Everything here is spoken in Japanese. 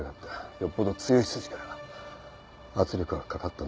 よっぽど強い筋から圧力がかかったんだな。